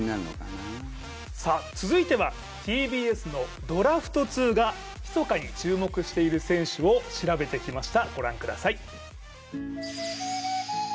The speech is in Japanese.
続いては、ＴＢＳのドラフト通がひそかに注目している選手を調べてきました。